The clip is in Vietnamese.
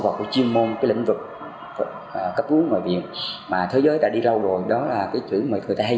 vào chuyên môn cái lĩnh vực cấp cứu ngồi viện mà thế giới đã đi lâu rồi đó là cái chửi người ta hay